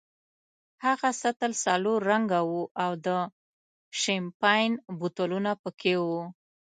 هغه سطل سلور رنګه وو او د شیمپین بوتلونه پکې وو.